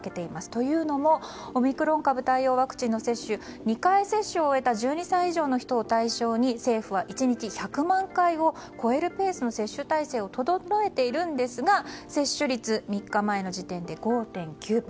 というのもオミクロン株対応ワクチンの接種２回接種を終えた１２歳以上の人を対象に政府は１日１００万回を超えるペースの接種体制を整えているんですが接種率、３日前の時点で５．９％。